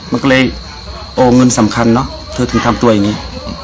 มันก็เลยโอ้เงินสำคัญเนอะเธอถึงทำตัวอย่างนี้